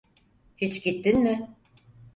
Hiç gittin mi?